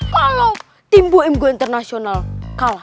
kalau tim boeim gua internasional kalah